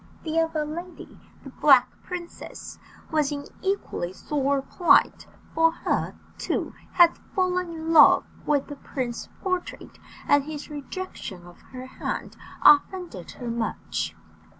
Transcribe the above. The other lady the Black Princess was in equally sore plight, for she, too, had fallen in love with the prince's portrait, and his rejection of her hand offended her much.